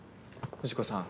藤子さん！